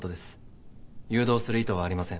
誘導する意図はありません。